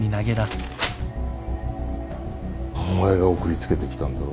お前が送り付けてきたんだろ？